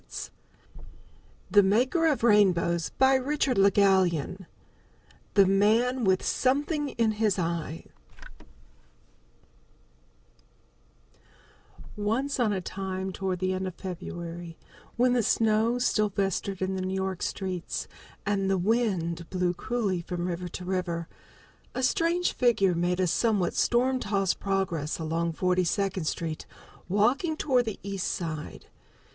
But the children never forgot the rainbows. THE MAN WITH SOMETHING IN HIS EYE Once on a time toward the end of February, when the snow still festered in the New York streets, and the wind blew cruelly from river to river, a strange figure made a somewhat storm tossed progress along Forty second Street, walking toward the East Side.